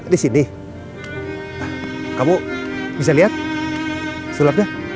di sini kamu bisa lihat sulapnya